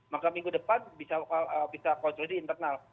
maka minggu depan bisa bisa konsolidi internal